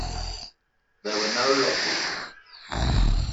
There were no losses.